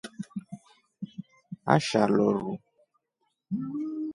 Asha loru.